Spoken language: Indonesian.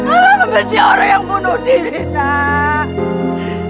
allah membenci orang yang bunuh diri nak